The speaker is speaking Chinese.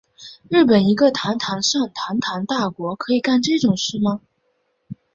日本一个国际上堂堂大国可以干这种事吗？